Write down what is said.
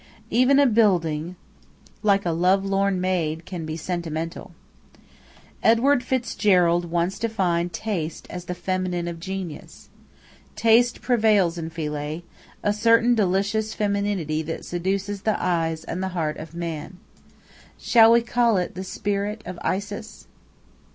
(Even a building, like a love lorn maid, can be sentimental.) Edward FitzGerald once defined taste as the feminine of genius. Taste prevails in Philae, a certain delicious femininity that seduces the eyes and the heart of man. Shall we call it the spirit of Isis?